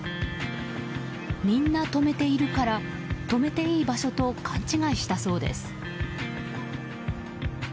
みんな止めているから止めていい場所と勘違いしたそうです。